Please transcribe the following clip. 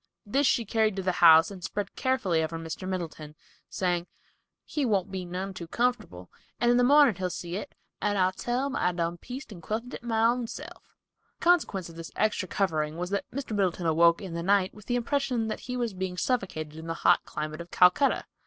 This she carried to the house and spread carefully over Mr. Middleton, saying, "He won't be none too comfortable, and in the mornin' he'll see it, and I'll tell him I done pieced and quilted it my own self." The consequence of this extra covering was that Mr. Middleton awoke in the night with the impression that he was being suffocated in the hot climate of Calcutta!